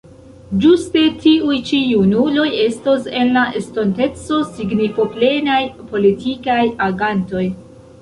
Ĝuste tiuj ĉi junuloj estos en la estonteco signifoplenaj politikaj agantoj.